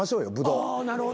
あなるほど。